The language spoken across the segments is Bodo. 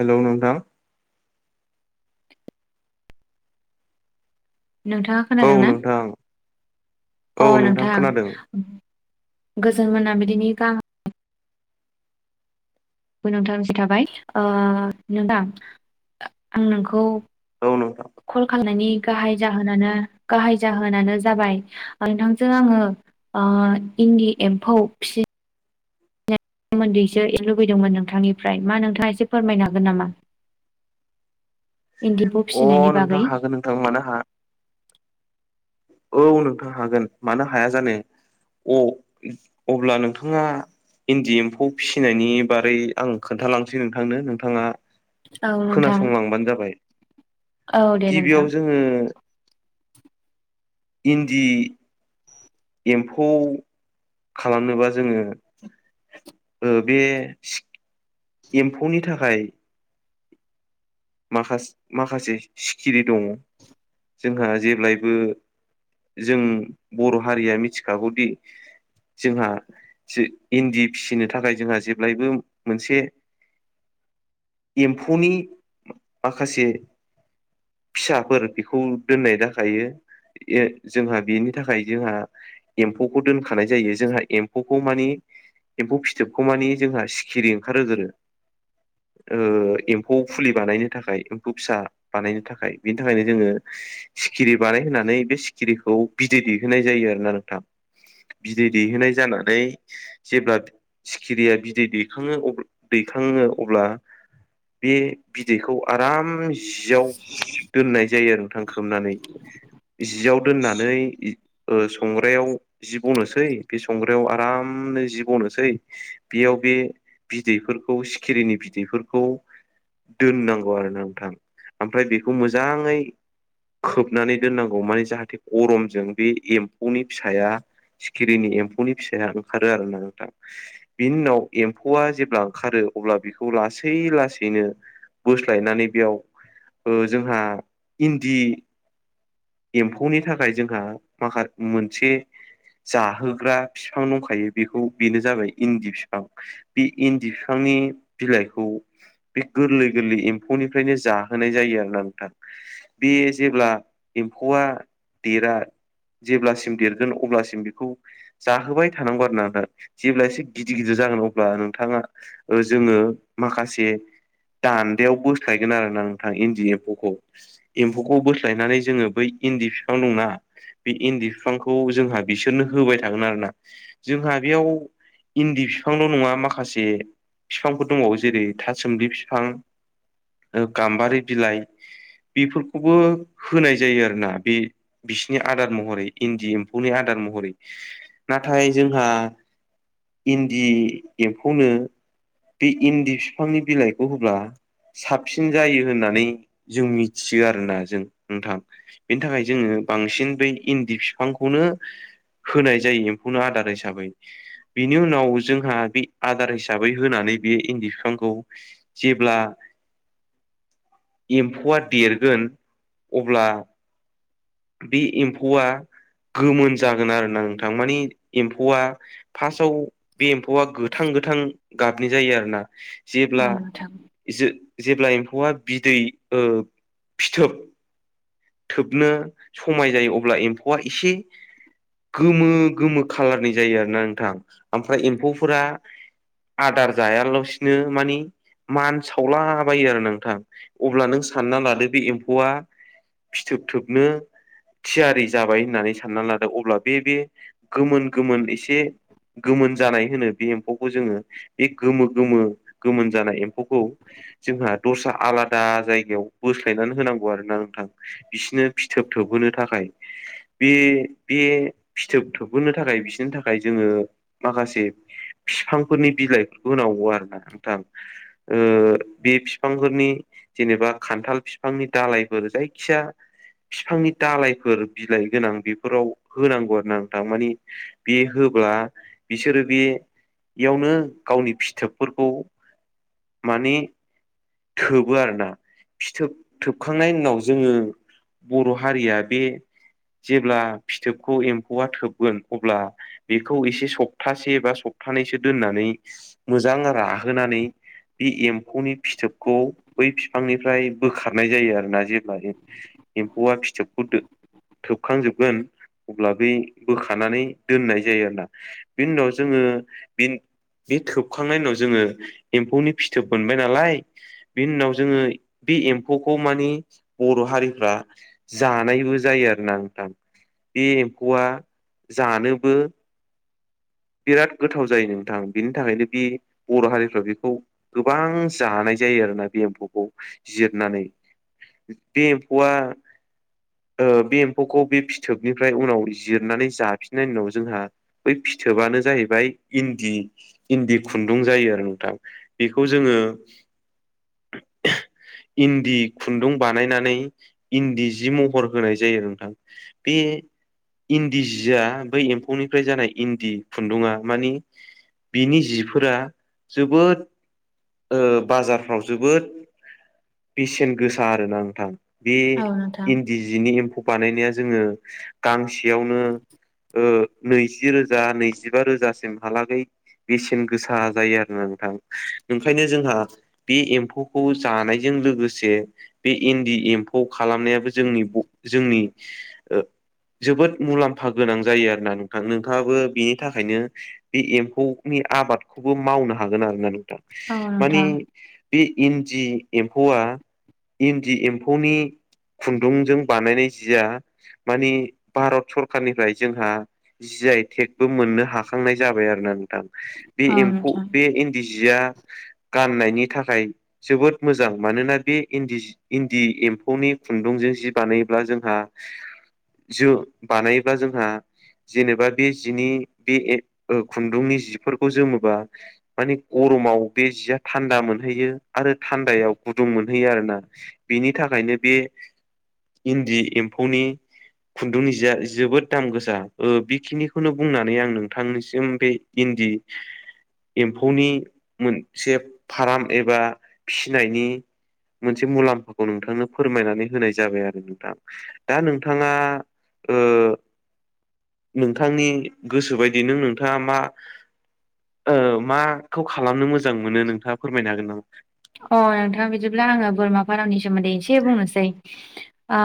हेल' नोंथां नोंथाङा खोनादों ना? नोंथां औ अ खोनादों नोंथां गोजोन मोनाबिलिनि गाहाम [unintelligible] थाबाय नोंदां आं नोंखौ औ नोंथां खल खालामनायनि गाहाय जाहोनानो जाबाय नोंथांजों आङो इन्दि एम्फौ फिसि सोमोन्दैसो लुबैदोंमोन नोंथांनिफ्राय मा नोंथाङा एसे फोरमायनो हागोन नामा? इन्दि एम्फौ अ फिसिनायनि नोंथां बागै? हागोन नोंथां मानो हाया औ नोंथां हागोन मानो हाया जानो अ अब्ला नोंथाङा इन्दि एम्फौ फिसिनायनि बारै आं खोन्थालांसै नोंथांनो नोंथाङा औ नोंथां खोनासंलांबानो जाबाय। औ दे नोंथां गिबियाव जोङो इन्दि एम्फौ खालामनोबा जोङो बे एम्फौनि थाखाय माखासे सिखिरि दङ जोंहा जेब्लायबो जों बर' हारिया मिथिखागौदि जोंहा इन्दि फिसिनो थाखाय जोंहा जेब्लायबो मोनसे [inaudible] एम्फौनि माखासे फिसाफोर बेखौ दोननाय जाखायो। जोंहा बेनि थाखाय जोंहा एम्फौखौ दोनखानाय जायो जोंहा एम्फौखौ माने एम्फौ फिथोबखौ मानि जोंहा सिखिरि ओंखार होग्रोनो ओ एम्फौ फुलि बानायनो थाखाय एम्फौ फिसा बानायनो थाखाय बिनि थाखायनो जोङो सिखिरि बानाय होननानै बे सिखिरिखौ बिदै दैहोनाय जायो आरोना नोंथां। बिदै दैहोनाय जानानै जेब्ला सिखिरिया बिदै दैखाङो अब्ला दै खाङो अब्ला बे बिदैखौ आराम जियाव दोननाय जायो आरो नोंथां खोबनानै। जियाव दोननानै ओ संग्रायाव जि बनोसै बे संग्रायाव आराम नो जि बनोसै बेयाव बे बिदैफोरखौ सिखिरिनि बिदैफोरखौ दोननांगौ आरो ना नोंथां ओमफ्राय बेखौ मोजाङै खोबनानै दोननांगौ माने जाहाथे गरमजों बे एम्फौनि फिसाया सिखिरिनि एम्फौनि फिसाया ओंखारो आरो ना नोंथां। बिनि उनाव एम्फौआ जेब्ला ओंखारो अब्ला बेखौ लासै लासैनो बोस्लायनानै बेयाव ओ जोंहा इन्दि एम्फौनि थाखाय जोंहा माखा मोनसे जाहोग्रा बिफां दंखायो बेखौ बेनो जाबाय इन्दि बिफां। बे इन्दि बिफां नि बिलाइखौ बे गोरलै गोरलै एम्फौनिफ्रायनो जाहोनाय जायो आरोना नोंथां बे जेब्ला एम्फौआ देरा जेब्लासिम देरगोन अब्लासिम बेखौ जाहोबाय थानांगौ आरो ना दा जेब्ला एसे गिदिर गिदिर जागोन अब्ला नोंथाङा ओ जोङो माखासे दान्दायाव बोस्लायगोन आरो ना नोंथां इन्दि एम्फौखौ एम्फौखौ बोस्लायनानै जोङो बै इन्दि बिफां दंना बे इन्दि बिफांखौ जोंहा बिसोरनो होबाय थागोन आरो ना जोंहा बेयाव इन्दि बिफांल' नङा माखासे बिफांफोर दंबावो जेरै थासुमलि बिफां ओ गाम्बारि बिलाइ बेफोरखौबो होनाय जायो आरोना बे बिसिनि आदार महरै इन्दि एम्फौनि आदार महरै ना नाथाय जोंहा इन्दि एम्फौनो बे इन्दि बिफांनि बिलाइखौ होब्ला साबसिन जायो होननानै जों मिथियो आरोना जों । नोंथां बेनि थाखाय जोङो बांसिन बै इन्दि बिफांखौनो होनाय जायो एम्फौनो आदार हिसाबै बिनि उनाव जोंहा बि आदार हिसाबै होनानै बे इन्दि बिफांखौ जेब्ला [inaudible] एम्फौआ देरगोन अब्ला बे एम्फौआ गोमोन जागोन आरोना नोंथां मानि एम्फौआ फार्स्टआव बे एम्फौआ गोथां गोथां गाबनि जायो आरोना । औ जेब्ला नोंथां जो जेब्ला एम्फौआ बिदै ओ फिथोब थोबनो समाय जायो अब्ला एम्फौआ एसे गोमो गोमो खालारनि जायो आरो ना नोंथां ओमफ्राय एम्फौफोरा आदार जायाल'सिनो मानि मानसावलाबायो आरो नोंथां अब्ला नों सानना लादो बे एम्फौआ फिथोब थोबनो थियारि जाबाय होननानै सानना लादो अब्ला बे बे गोमोन गोमोन एसे गोमोन जानाय होनो बे एम्फौखौ जोङो बे गोमो गोमो गोमोन जानाय एम्फौखौ जोंहा दस्रा आलादा जायगायाव बोस्लायनानै होनांगौ आरो ना । थां बिसोरनो फिथोब थोबहोनो थाखाय बे बे फिथोब थोबहोनो थाखाय बिसोरनि थाखाय जोङो माखासे बिफांफोरनि बिलाइफोरखौ होनांगौ आरो नोंथां । [unintelligible] ओ बे बिफांफोरनि जेनेबा खान्थाल बिफांनि दालाय फोर जायखिजाया बिफांनि दालायफोर बिलाइ गोनां बेफोराव होनांगौ आरो ना नोंथां मानि बे हो ब्ला बिसोरो बेयावनो गावनि फिथोबफोरखौ माने थोबो आरोना फिथोब थोब थोबखांनायनि उनाव जोङो बर' हारिया बे जेब्ला फिथोबखौ एम्फौआ थोबगोन अब्ला बेखौ एसे सप्तासे बा सप थानैसो दोननानै मोजां राहोनानै बे एम्फौनि फिथोबखौ बै बिफांनिफ्राय बोखारनाय जायो आरो । आरोना जेब्ला एम्फौआ फिथोबखौ दो थोबखांजोबगोन अब्ला बे बोखानानै दोननाय जायो आरोना, बेनि उनाव जोङो बे बे थोबखांनायनि उनाव जोङो एम्फौनि फिथोब मोनबाय नालाय बेनि उनाव जोङो बे एमफौखौ माने बर' हारिफ्रा जानायबो जायो आरोना नोंथां । बे एम्फौआ जानोबो बिराद गोथाव जायो नोंथां बिनि थाखायनो बे बर' हारिफ्रा बेखौ गोबां जानाय जायो आरोना बे एम्फौखौ जिरनानै बे एम्फौआ ओ बे एम्फौखौ बे फिथोबनिफ्राय उनाव जिरनानै जाफिननायनि उनाव जोंहा बै फि थोबानो जाहैबाय इन्दि इन्दि खुन्दुं जायो आरो नोंथा। बेखौ जोङो [inaudible] इन्दि खुन्दुं बानायनानै इन्दि जि महर होनाय जायो नोंथां बे इन्दि जिया बै एम्फौनिफ्राय जानाय इन्दि खुन्दुङा मानि बिनि जिफोरा जोबोद ओ बाजारफ्राव जोबोद बेसेन गोसा आरोना नोंथां बे औ नोंथां इन्दि जिनि एम्फौ बानायनाया जोङो गांसेयावनो ओ नैजि रोजा नैजिबा रोजासिमहालागै बेसेन गोसा जायो आरो ना नोंथांं ओंखायनो जोंहा बे एम्फौखौ जानायजों लोगोसे बे इन्दि एम्फौ खालामनायाव जोंनि ब जोंनि ओ जोबोद मुलाम्फा गोनां जायो आरोना नोंथां नोंथाङाबो बिनि थाखायनो बे एम्फौनि आबादखौबो मावनो हागोन आरो नो औ माने नोंथां बे इन्दि एम्फौआ इन्दि एम्फौनि खुन्दुंजों बानायनाय जिया मानि भारत सरखारनिफ्राय जोंहा जि आई टेकबो मोननो हाखांनाय जाबाय आरो ना नोंथां बे औ एमफौ नोंथां बे इन्दि जिया गाननायनि थाखाय जोबोद मोजां मानोना बे इन्दि एम्फौनि खुन्दुं जि बानायोब्ला जोंहा जों बानायोब्ला जोंहा जेनेबा बे जिनि बे खुन्दुंनि जिफोरखौ जोमोबा मानि गरम समाव बे जिया थान्दा मोनहैयो आरो थान्दायाव गुदुं मोनहैयो आरोना बेनि थाखायनो बे इन्दि एम्फौनि खुन्दुंनि जिया जोबोद दाम गोसा बे खिनिखौनो बुंनानै आं नोंथांनिसिम बे इन्दि एम्फौनि मोनसे फार्म एबा फिनायनि मोनसे मुलाम्फाखौ नोंथांनो फोरमायनानै होनाय जाबाय आरो नोंथां दा नोंथाङा ओ नोंथांनि गोसो बायदि नों नोंथाङा मा ओ मा खौ खालामनो मोजां मोनो, नोंथाङा फोरमायनो हागोन नामा? अ नोंथां बिदिब्ला आङो बोरमा फारामनि सोमोन्दै एसे बुंनोसै ओ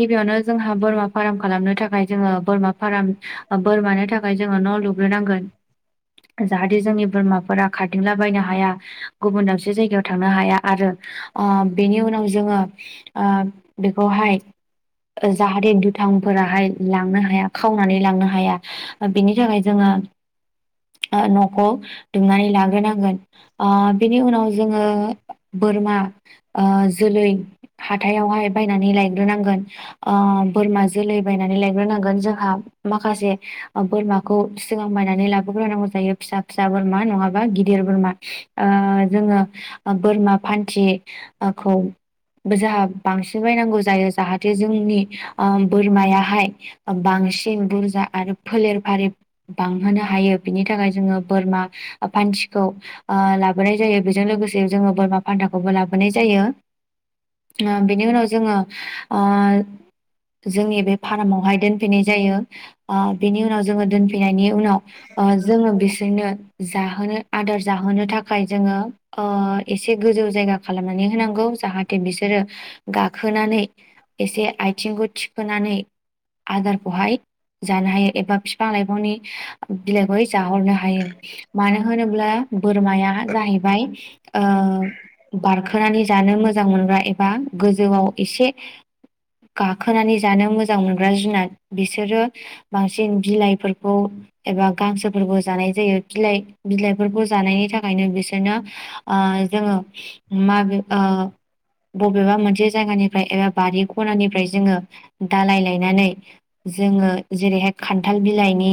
गिबियावनो जोंहा बोरमा फार्म खालामनो थाखाय जोङो बोरमा फार्म बोरमानो थाखाय जोङो न' लुुग्रोनांगोन जाहाथे जोंनि बोरमाफोरा खारदथिंलाबायनो हाया, गुबुन दाबसे जायगायाव थांनो हाया आरो बेनि अ उनाव जोङो ओ बेखौहाय जाहाथे दुथांफोराहाय लांनो हाया, खावनानै लांनो हाया बेनि थाखाय जोङो [inaudible] न'खौ दुमनानै लाग्रोनांगोन ओ बिनि उनाव जोङो बोरमा ओ जोलै हाथायावहाय, बायनानै लायग्रोनांगोन ओ बोरमा जोलै बायनानै लायग्रोनांगोन, जोंहा माखासे बोरमाखौ सिगां नानै लाबोग्रोनांगौ जायो। फिसा-फिसा बोरमा नङाबा गिदिर बोरमा। ओ जोङो बोरमा फान्थि-खौ जाहा बांसिन बायनांगौ जायो, जाहाथे जोंनि ओ बोरमायाहाय बां सिन बुरजा आरो फोलेर फारि बांहोनो हायो, बिनि थाखाय जोङो बोरमा थिखौ ओ लाबोनाय जायो बेजों लोगोसे जोङो बोरमा फान्थाखौबो लाबोनाय जायो ओ बेनि उनाव जोङो आ जोंनि बे फारामवहाय दोनफैनाय जायो आ बेनि उनाव जोङो दोन फैनायनि उनाव ओ जोङो बिसोरनो जाहोनो आदार जाहोनो थाखाय जोङो ओ एसे गोजौ जायगा खालामनानै होनांगौ जाहाथे बिसोरो गाखोनानै एसे आइथिंखौ थिखोनानै आदारखौहाय जानो हायो एबा फिफां लाइफांनि बिलाइखौै जाहरनो हायो मानो होनोब्ला बोरमाया जाहैबाय ओ बारखोनानै जानो मोजां मोनग्रा एबा गोजौआव एसे गाखोनानै जानो मोजां मोनग्रा जुनाद बिसोरो बांसिन बिलाइफोरखौ एबा गांसोफोरखौ जानाय जायो बिलाइ बिलाइफोरखौ जानायनि थाखायनो बिसोरनो आ जोङो माबे आ बबेबा मोनसे जायगानिफ्राय एबा बारि खनानिफ्राय जोङो दालाय लायनानै जोङो जेरैहाय खान्थाल बिलाइनि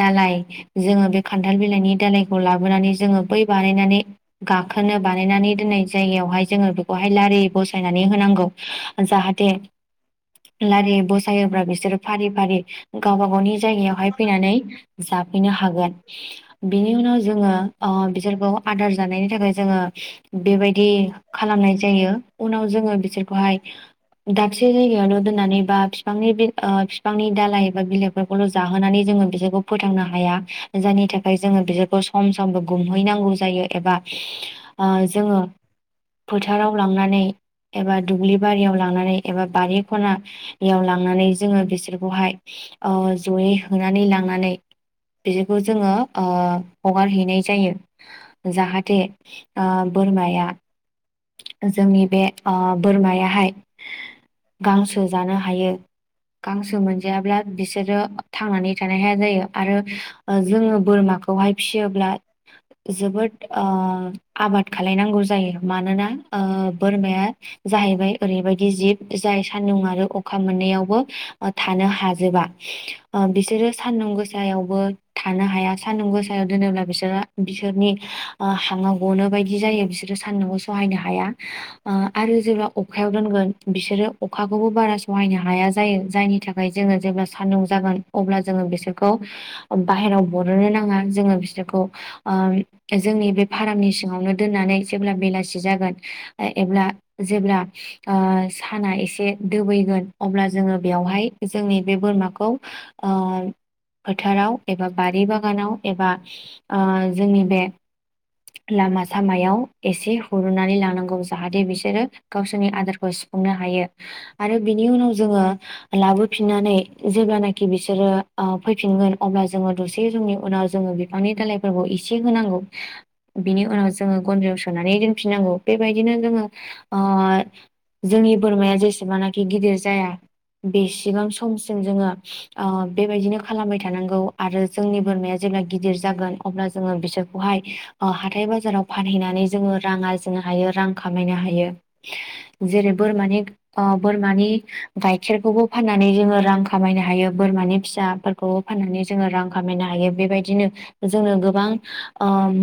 दालाय जोङो बे खान्थाल बिलाइनि दालायखौ लाबोनानै जोङो बै बानायनानै गाब खोनो बानायनानै दोननाय जायगायावहाय जोङो बेखौहाय लारि बसायनानै होनांगौ जाहाथे लारि बसायोब्ला बिसोर फारि फारि गावबा गावनि जायगायावहाय फैनानै जाफैनो हागोन बिनि उनाव जोङो ओ बिसोरखौ आदार जानायनि थाखाय जोङो बेबायदि खालामनाय जायो उनाव जोङो बिसोरखौहाय दाबसे जायगायावल‌ दोननानै बा फिफांनि बिल ओ फिफांनि दालाय एबा बिलाइफोरखौनो जाहोनानै जोङो बिसोरखौ फोथांनो हाया जायनि थाखाय जोङो बिसोरखौ सम समबो गुमहैनांगौ जायो एबा आ जोङो फोथाराव लांनानै एबा दुब्लि बारियाव लांनानै एबा बारि खना याव लांनानै जोङो बिसोरखौहाय अ जयै होनानै लांनानै बिसोरखौ जोङो आ हगारहैनाय जायो जाहाथे आ बोरमाया जोंनि बे आ बोरमायाहाय गांसो जानो हायो गांसो मोनजायाब्ला बिसोरो थांनानै थानो हाया जायो आरो ओ जोङो बोरमा खौहाय फिसियोब्ला जोबोद ओ आबाद खालायनांगौ जायो मानोना ओ बोरमाया जाहैबाय ओरैबायदि जिब जाय सान्दुं आरो अखा मोननैयावबो थानो हाजोबा आ बिसोरो सान्दुं गोसायावबो थानो हाया सान्दुं गोसायाव दोनोब्ला बिसोरा बिसो नि आ [unintelligible] गनो बायदि जायो बिसोरो सान्दुंखौ सहायनो हाया आ आरो जेब्ला अखायाव दोनगोन बिसोर रो अखाखौबो बारा सहायनो हाया जायो जायनि थाखाय जोङो जेब्ला सान्दुं जागोन अब्ला जोङो बिसोरखौ खौ बाहेराव बरननो नाङा जोङो बिसोरखौ आ जोंनि बे फारामनि सिङावनो दोननानै जेब्ला बेलासे जागोन एब्ला जेब्ला आ साना एसे दोबैगोन अब्ला जोङो बेयावहाय जोंनि बे बोरमाखौ आ फोथाराव एबा बारि बागानाव एबा आ जोंनि बे लामा सामायाव एसे हुरुनानै लानांगौ जाहाथे बिसोरो गावसोरनि आदारखौ सुफुंनो हाय हायो आरो बिनि उनाव जोङो लाबोफिननानै जेब्लानाखि बिसोरो आ फैफिनगोन अब्ला जोङो दसे जुमनि उनाव जोङो बिफांनि दालाइफोरखौ इसे होनांगौ बिनि उनाव जोङो गन्द्रायाव सोनानै दोनफिननांगौ बेबायदिनो जोङो आ जोंनि बोरमाया जेसेबानाखि गिदिर जाया बेसेबां समसिम जोङो आ बेबायदिनो खालामबाय थानांगौ आरो जोंनि बोरमाया जेब्ला गिदिर जागोन अब्ला जोङो बिसोरखौहाय आ हाथाय बाजाराव फानहैनानै जोङो रां आरजिनो हायो रां खामायनो हायो जेरै बोरमानि आ बोरमानि गायखेरखौबो फाननानै जोङो रां खामायनो हायो बोरमानि फि साफोरखौ फाननानै जोङो रां खामायनो हायो बेबायदिनो जोङो गोबां ओम